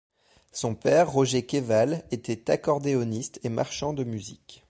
Son père Roger Quéval était accordéoniste et marchand de musique.